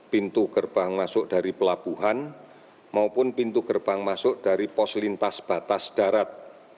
pintu gerbang masuk dari pelabuhan maupun pintu gerbang masuk dari pos lintas batas darat